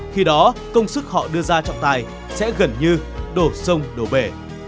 khi đó công sức họ đưa ra trọng tài sẽ gần như đổ sông đổ bể